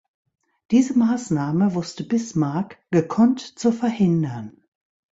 Diese Maßnahme wusste Bismarck gekonnt zu verhindern.